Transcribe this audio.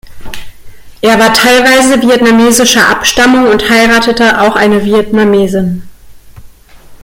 Er war teilweise vietnamesischer Abstammung und heiratete auch eine Vietnamesin.